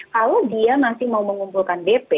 kalau dia masih mau mengumpulkan dp